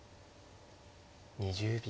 ２０秒。